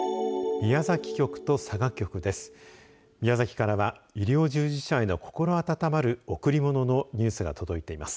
宮崎からは医療従事者への心温まる贈り物のニュースが届いています。